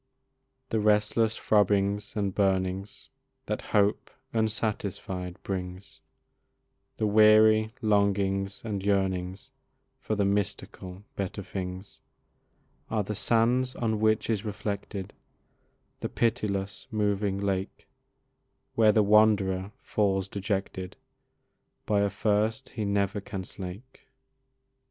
The restless throbbings and burnings That hope unsatisfied brings, The weary longings and yearnings For the mystical better things, Are the sands on which is reflected The pitiless moving lake, Where the wanderer falls dejected, By a thirst he never can slake.